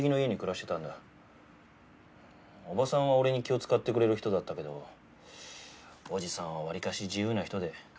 伯母さんは俺に気を使ってくれる人だったけど伯父さんは割かし自由な人で。